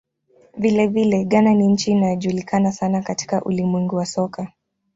Vilevile, Ghana ni nchi inayojulikana sana katika ulimwengu wa soka.